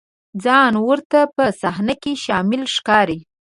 ځان ورته په صحنه کې شامل ښکاري.